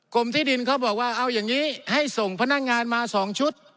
ที่ดินเขาบอกว่าเอาอย่างนี้ให้ส่งพนักงานมา๒ชุด